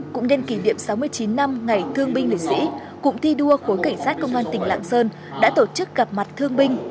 cũng nhân kỷ niệm sáu mươi chín năm ngày thương binh liệt sĩ cụm thi đua khối cảnh sát công an tỉnh lạng sơn đã tổ chức gặp mặt thương binh